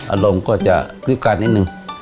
อารมณ์ก็จะพิการนิดนึง